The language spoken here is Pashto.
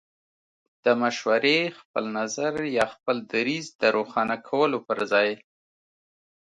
د مشورې، خپل نظر يا خپل دريځ د روښانه کولو پر ځای